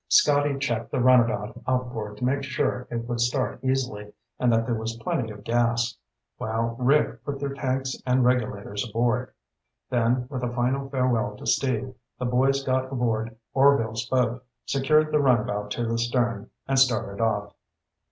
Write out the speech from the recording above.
Scotty checked the runabout outboard to make sure it would start easily and that there was plenty of gas, while Rick put their tanks and regulators aboard. Then, with a final farewell to Steve, the boys got aboard Orvil's boat, secured the runabout to the stern, and started off.